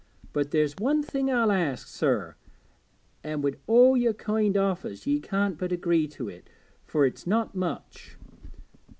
But there's one thing I'll ask, sir, an' wi' all yer kind offers ye can't but agree to it, fur it's not much.